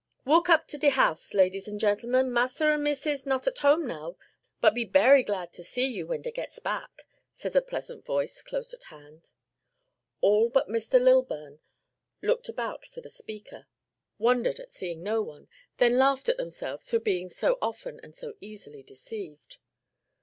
"Walk up to de house, ladies an' gentlemen; Massa an' Missus not at home now, but be berry glad to see you when dey gets back," said a pleasant voice close at hand. All but Mr. Lilburn looked about for the speaker, wondered at seeing no one, then laughed at themselves for being so often and so easily deceived.